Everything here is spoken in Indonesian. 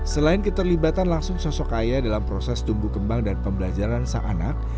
selain keterlibatan langsung sosok ayah dalam proses tumbuh kembang dan pembelajaran sang anak